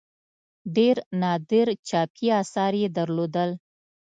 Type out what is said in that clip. ډېر نادر چاپي آثار یې درلودل.